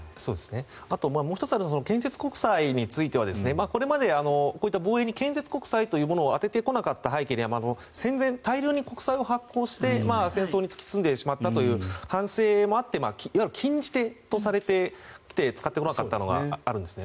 もう１つ建設国債についてはこれまでこういった防衛に建設国債を充ててこなかった背景には戦前、大量に国債を発行して戦争に突き進んでしまったという反省もあっていわゆる禁じ手といわれて使ってこなかったというのがあるんですね。